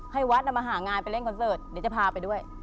ให้วัดมาหางานไปเล่นคอนเสิร์ตเดี๋ยวจะพาไปด้วย